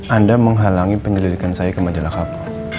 anda menghalangi penyelidikan saya ke majalah kapal